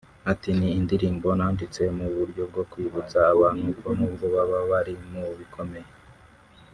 Ati “ Ni indirimbo nanditse mu buryo bwo kwibutsa abantu ko nubwo baba bari mu bikomeye